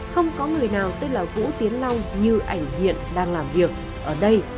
không có người nào tên là vũ tiến long như anh hiện đang làm việc ở đây